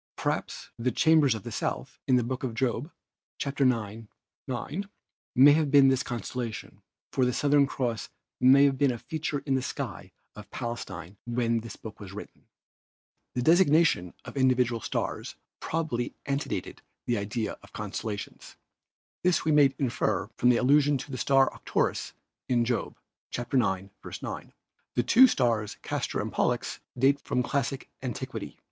Perhaps "the chambers of the South'" in the Book of Job (ix, 9) may be this constellation, for the Southern Cross must have been a feature in the sky of Palestine when this book was written. The designation of individual stars probably antedated, the idea of constellations; this we may infer from the allusion to the star Arcturus in Job (ix, 9). The two THE CONSTELLATIONS 263 stars Castor and Pollux date from classical antiquity.